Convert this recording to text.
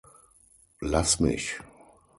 Lass mich!